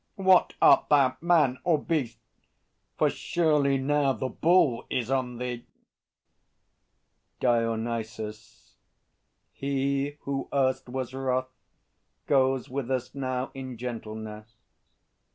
What art thou, man or beast? For surely now The Bull is on thee! DIONYSUS. He who erst was wrath, Goes with us now in gentleness.